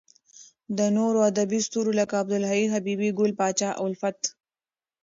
د نورو ادبې ستورو لکه عبد الحی حبیبي، ګل پاچا الفت .